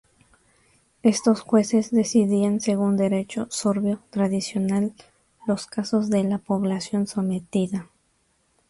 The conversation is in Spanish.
Estos jueces decidían según derecho sorbio tradicional los casos de la población sometida.